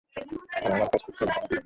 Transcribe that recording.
আর আমায় কাজ করতে একদম দিও না।